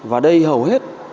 và đây hầu hết